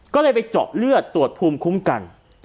ก็เลยไปเจาะเลือดตรวจภูมิคุ้มกัน